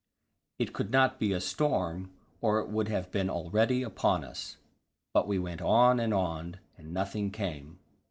It could not be a storm, or it would have been already upon us. But we went on and on, and nothing came.